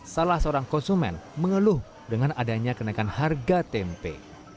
salah seorang konsumen mengeluh dengan adanya kenaikan harga tempe